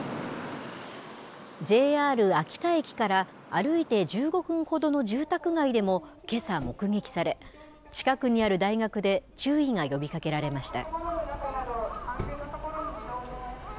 ＪＲ秋田駅から歩いて１５分ほどの住宅街でもけさ、目撃され、近くにある大学で注意が呼びかけられました。